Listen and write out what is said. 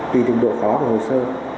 tùy từng độ khó của hồ sơ